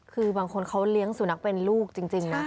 คือบางคนเขาเลี้ยงสุนัขเป็นลูกจริงนะ